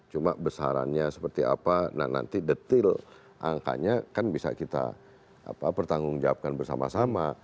cuma besarannya seperti apa nah nanti detail angkanya kan bisa kita pertanggungjawabkan bersama sama